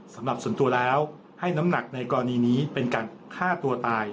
สำหรับส่วนตัวแล้วให้น้ำหนักในกรณีนี้เป็นการฆ่าตัวตาย